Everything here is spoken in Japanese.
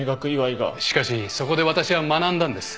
しかしそこで私は学んだんです。